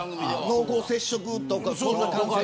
濃厚接触とか。